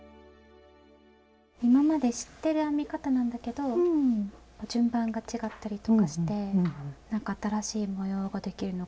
今まで知ってる編み方なんだけど順番が違ったりとかしてなんか新しい模様ができるのがすごい不思議だなと思います。